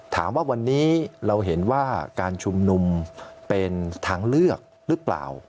ถามว่าวันนี้เราเห็นว่าการชุมนุมเป็นทางเลือกหรือเปล่า